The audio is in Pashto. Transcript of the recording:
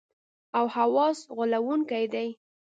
او حواس غولونکي دي.